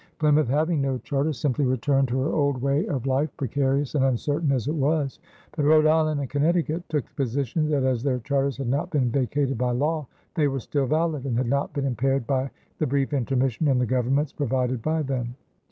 Plymouth, having no charter, simply returned to her old way of life, precarious and uncertain as it was; but Rhode Island and Connecticut took the position that as their charters had not been vacated by law, they were still valid and had not been impaired by the brief intermission in the governments provided by them.